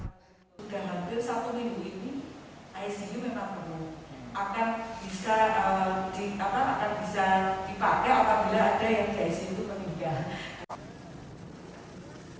icu memang penuh akan bisa dipakai apabila ada yang di icu itu penuh